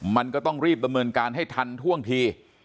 มันก็ต้องรีบดำเนินการให้ทันท่วงที